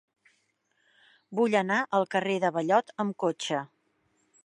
Vull anar al carrer de Ballot amb cotxe.